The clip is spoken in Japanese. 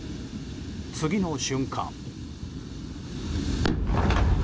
次の瞬間。